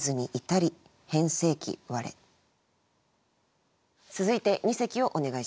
続いて二席をお願いします。